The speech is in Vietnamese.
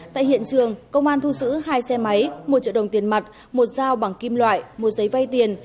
tại hiện trường công an thu giữ hai xe máy một triệu đồng tiền mặt một dao bằng kim loại một giấy vay tiền